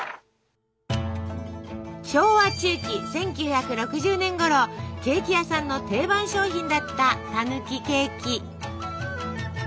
昭和中期１９６０年頃ケーキ屋さんの定番商品だったたぬきケーキ。